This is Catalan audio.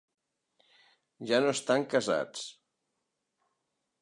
Ja no estan casats.